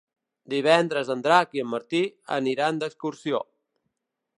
Divendres en Drac i en Martí aniran d'excursió.